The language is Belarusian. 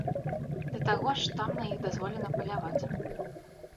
Да таго ж там на іх дазволена паляваць.